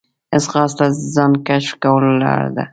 ځغاسته د ځان کشف کولو لاره ده